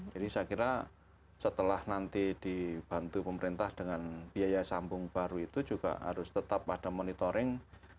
jadi saya kira setelah nanti dibantu pemerintah dengan biaya sambung baru itu juga harus tetap ada monitoring